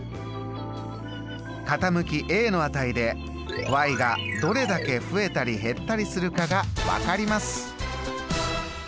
傾きの値でがどれだけ増えたり減ったりするかが分かります。